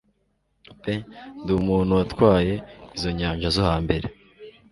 pe Ndi umuntu watwaye izo nyanja zo hambere